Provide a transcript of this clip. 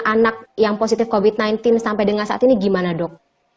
anak yang positif covid sembilan belas sampai dengan saat ini gimana dok